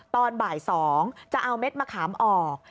ตอนบ่าย๒จะเอาเม็ดมะขามออก